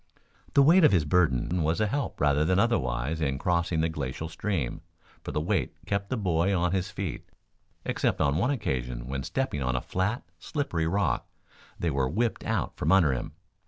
The weight of his burden was a help rather than otherwise in crossing the glacial stream, for the weight kept the boy on his feet, except on one occasion when stepping on a flat, slippery rock, they were whipped out from under him.